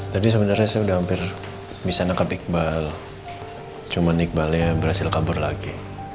tadi sebenarnya saya sudah hampir bisa menangkap iqbal cuma iqbalnya berhasil kabur lagi